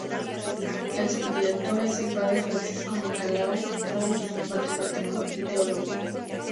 El subdirector es el padre Francisco Nicolau Pous, matemático y teólogo.